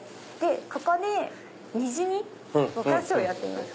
ここでにじみぼかしをやってみます。